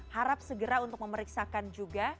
harap segera untuk memeriksakan juga